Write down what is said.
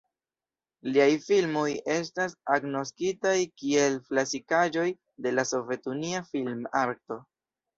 Liaj filmoj estas agnoskitaj kiel klasikaĵoj de la sovetunia film-arto.